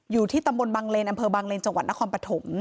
อยู่ที่ตำรวจบังเลนอบังเลนจนนป